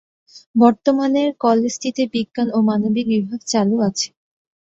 বর্তমানে কলেজটিতে বিজ্ঞান ও মানবিক বিভাগ চালু আছে।